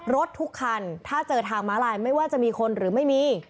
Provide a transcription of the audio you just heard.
รถทุกคันถ้าเจอทางม้าลายไม่ว่าจะมีคนหรือไม่มี